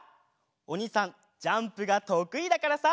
おにいさんジャンプがとくいだからさ。